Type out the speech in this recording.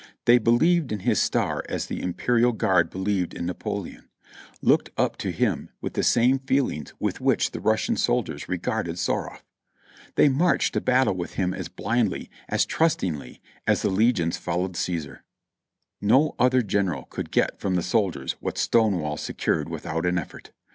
They believed in his star as the Imperial Guard believed in Napoleon ; looked up to him with the same feelings with which the Russian soldiers re garded Suarroff; they marched to battle with him as blindly, as trustingly as the Legions followed Caesar, No other gen eral could get from the soldiers what Stonewall secured without an effort.